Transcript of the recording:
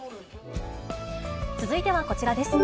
続いてはこちらです。